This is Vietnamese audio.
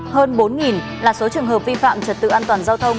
hơn bốn là số trường hợp vi phạm trật tự an toàn giao thông